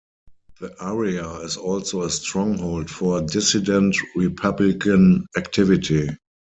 The area is also a stronghold for Dissident Republican activity.